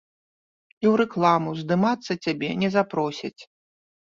І ў рэкламу здымацца цябе не запросяць.